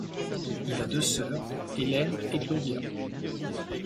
Il a deux sœurs Elaine et Claudia.